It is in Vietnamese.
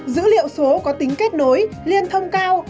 dữ liệu số có tính kết nối liên thông cao